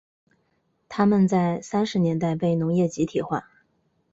他们在三十年代被农业集体化。